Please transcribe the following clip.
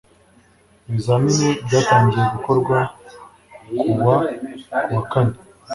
ibizamini byatangiye gukorwa ku wa kuwakane